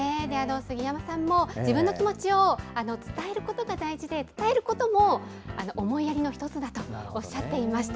杉山さんも、自分の気持ちを伝えることが大事で、伝えることも思いやりの一つだとおっしゃっていました。